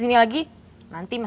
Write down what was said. makin biar lebih teblawakan